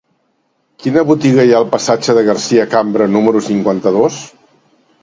Quina botiga hi ha al passatge de Garcia Cambra número cinquanta-dos?